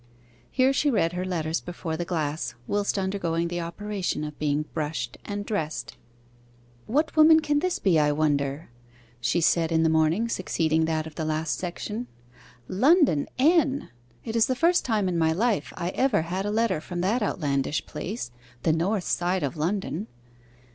Here she read her letters before the glass, whilst undergoing the operation of being brushed and dressed. 'What woman can this be, I wonder?' she said on the morning succeeding that of the last section. '"London, N.!" It is the first time in my life I ever had a letter from that outlandish place, the North side of London.